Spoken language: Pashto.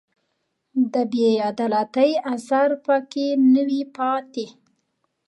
د بې عدالتۍ اثر په کې نه وي پاتې